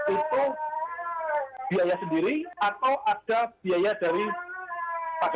itu biaya sendiri atau ada biaya dari pak joko chandra